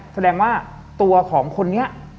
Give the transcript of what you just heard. แสดงว่าตัวของคนนี้